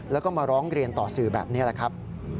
แล้วก็มาร้องเรียนต่อสื่อแบบนี้แหละครับ